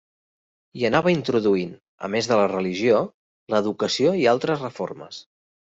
Hi anava introduint, a més de la religió, l'educació i altres reformes.